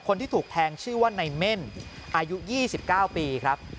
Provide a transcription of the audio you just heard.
คนที่ถูกแทงชื่อว่าในเม่นอายุ๒๙ปีครับ